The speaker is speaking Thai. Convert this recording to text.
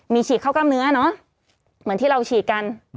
มีฉีดเข้ากล้ามเนื้อเนอะเหมือนที่เราฉีดกัน